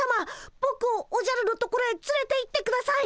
ぼくをおじゃるのところへつれていってください。